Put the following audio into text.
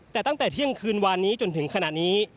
แต่ตั้งแต่เที่ยงคืนวานนี้จนถึงขณะนี้